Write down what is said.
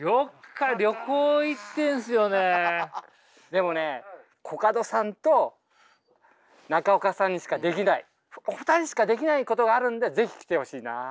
でもねコカドさんと中岡さんにしかできないお二人にしかできないことがあるんで是非来てほしいな。